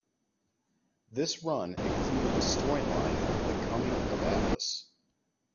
This run included the storyline "The Coming of Atlas".